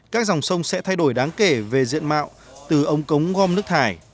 các dòng sông sẽ thay đổi đáng kể về diện mạo từ ống cống gom nước thải